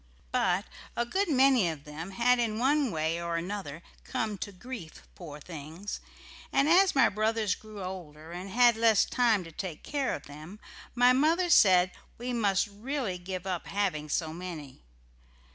But a good many of them had in one way or another come to grief, poor things, and as my brothers grew older and had less time to take care of them, my mother said we must really give up having so many.